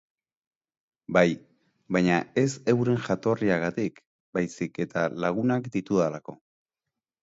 Bai, baina ez euren jatorriagatik, baizik eta lagunak ditudalako.